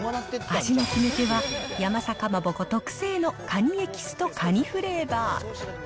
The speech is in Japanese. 味の決め手は、ヤマサ蒲鉾特製のカニエキスとカニフレーバー。